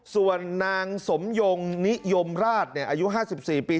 ส่วนนางสมยงนิยมราชอายุ๕๔ปี